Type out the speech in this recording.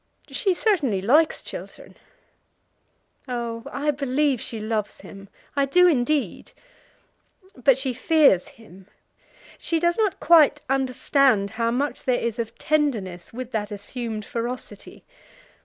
She certainly likes Chiltern." "Oh, I believe she loves him. I do indeed. But she fears him. She does not quite understand how much there is of tenderness with that assumed ferocity.